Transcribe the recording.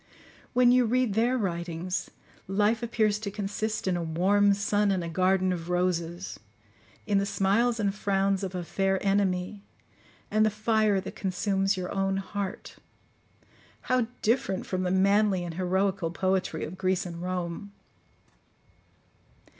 When you read their writings, life appears to consist in a warm sun and a garden of roses,—in the smiles and frowns of a fair enemy, and the fire that consumes your own heart. How different from the manly and heroical poetry of Greece and Rome!